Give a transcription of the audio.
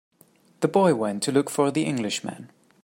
The boy went to look for the Englishman.